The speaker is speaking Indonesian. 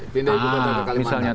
pindah ibu ke kalimantan